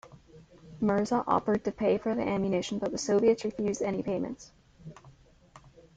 Mirza offered to pay for the ammunition but the Soviets refused any payments.